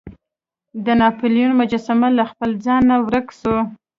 د ناپلیون مجسمه له خپل ځای نه ورک وه.